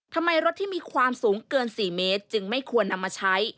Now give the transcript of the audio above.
รถที่มีความสูงเกิน๔เมตรจึงไม่ควรนำมาใช้